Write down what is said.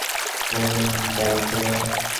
হেমিংওয়ের দাড়ি ছিল।